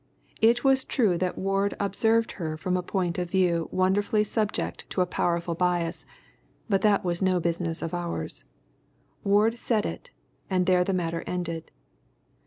It was true that Ward observed her from a point of view wonderfully subject to a powerful bias, but that was no business of ours. Ward said it, and there the matter ended.